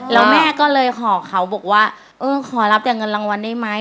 แล้วแม่ก็เลยขอเขาบอกว่าเออขอรับจากเงินรางวัลได้ไหม